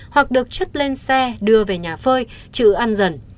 hoặc được chất lên xe đưa về nhà phơi chữ ăn dần